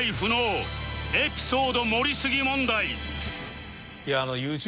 エピソード盛りすぎ問題